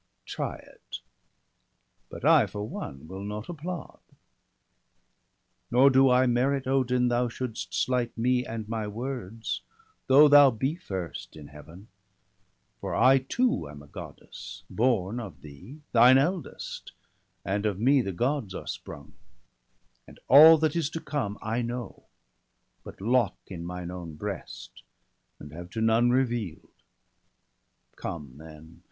— Try it ; but I, for one, will not applaud. Nor do I merit, Odin, thou should'st slight Me and my words, though thou be first in Heaven; For I too am a Goddess, born of thee, Thine eldest, and of me the Gods are sprung; And all that is to come I know, but lock In mine own breast, and have to none reveal'd. Come then